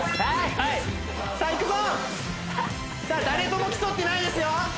誰とも競ってないですよ